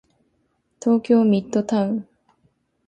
東京ミッドタウン